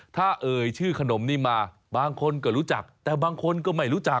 ถ้าเอ่ยชื่อขนมนี่มาบางคนก็รู้จักแต่บางคนก็ไม่รู้จัก